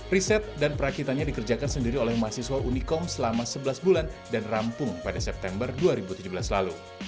riset dan perakitannya dikerjakan sendiri oleh mahasiswa unikom selama sebelas bulan dan rampung pada september dua ribu tujuh belas lalu